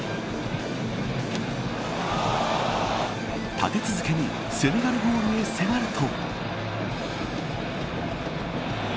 立て続けにセネガルゴールへ迫ると。